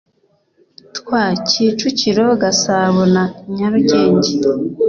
twa kicukiro gasabo na nyarugenge